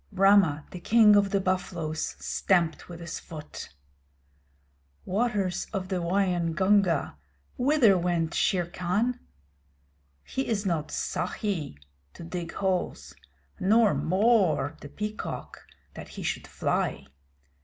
Rama the king of the buffaloes stamped with his foot. Waters of the Waingunga whither went Shere Khan? He is not Sahi to dig holes, nor Mor, the Peacock, that he should fly.